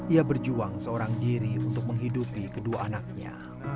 ia berjuang seorang diri untuk menghidupi kedua anaknya